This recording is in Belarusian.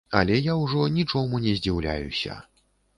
Але я ўжо нічому не здзіўляюся.